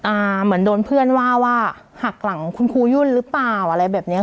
เหมือนโดนเพื่อนว่าว่าหักหลังคุณครูยุ่นหรือเปล่าอะไรแบบเนี้ย